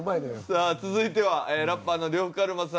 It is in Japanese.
さあ続いてはラッパーの呂布カルマさんに＃